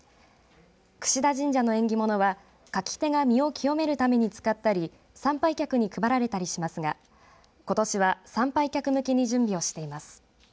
櫛田神社の縁起物は舁き手が身を清めるために使ったり参拝客に配られたりしますがことしは参拝客向けに準備をしています。